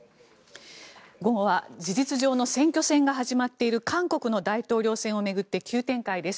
午後は事実上の選挙戦が始まっている韓国の大統領選を巡って急展開です。